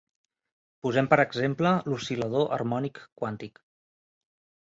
Posem per exemple l'oscil·lador harmònic quàntic.